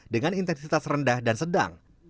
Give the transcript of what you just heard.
dengan intensitas rendah dan sedang